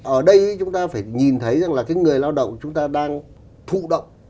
ở đây chúng ta phải nhìn thấy rằng là cái người lao động chúng ta đang thụ động